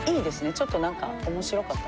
ちょっとなんか面白かった。